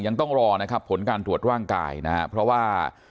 ยังต้องรอนะครับผลการตรวจร่างกายนะครับเพราะว่า